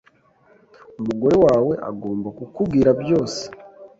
Umugore wawe agomba kukubwira byose.